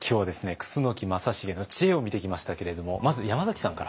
楠木正成の知恵を見てきましたけれどもまず山崎さんから。